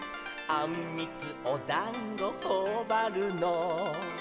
「あんみつおだんごほおばるの」